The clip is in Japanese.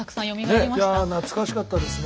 いや懐かしかったですね。